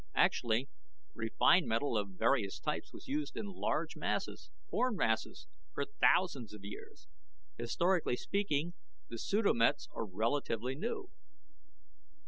Actually, refined metal of various types was used in large masses, formed masses, for thousands of years. Historically speaking, the pseudo mets are relatively new."